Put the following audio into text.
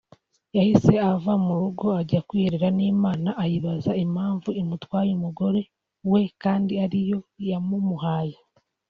yahise ava mu rugo ajya kwiherera n'Imana ayibaza impamvu imutwaye umugore we kandi ari yo yamumuhaye